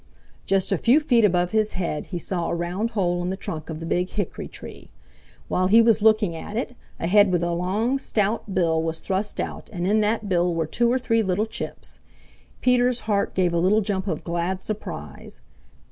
Just a few feet above his head he saw a round hole in the trunk of the Big Hickory tree. While he was looking at it, a head with a long stout bill was thrust out and in that bill were two or three little chips. Peter's heart gave a little jump of glad surprise.